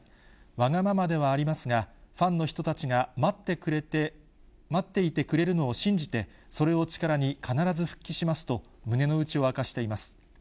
わがままではありますが、ファンの人たちが待っていてくれるのを信じて、それを力に、必ず復帰しますと、胸の内を明かしています。